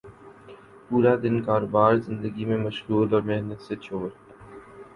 پورا دن کاروبار زندگی میں مشغول اور محنت سے چور